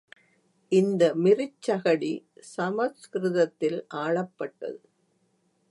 இந்த மிருச்சகடி சம்ஸ்கிருதத்திலாடப்பட்டது.